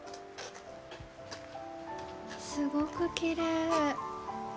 すごくきれい。